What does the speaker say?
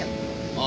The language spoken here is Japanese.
ああ。